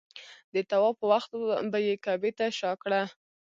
د طواف په وخت به یې کعبې ته شا کړه.